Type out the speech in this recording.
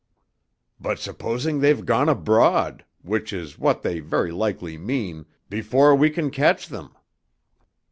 "But supposing they've gone abroad which is what they very likely mean before we can catch them?"